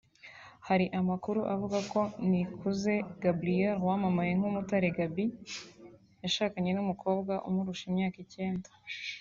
Hari amakuru avuga ko Nikuze Gabriel wamamaye nka Umutare Gaby yashakanye n’umukobwa umurusha imyaka icyenda